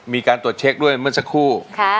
มีการตรวจเช็คด้วยเมื่อสักครู่